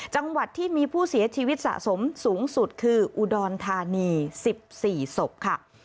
จังหวัดที่มีผู้เสียชีวิตสะสมสูงสุดคืออุดรธานี๑๔ศพค่ะ